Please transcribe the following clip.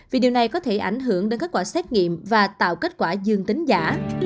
vì điều này có thể ảnh hưởng đến kết quả xét nghiệm và tạo kết quả dương tính giả